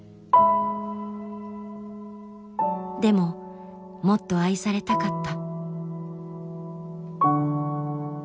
でももっと愛されたかった。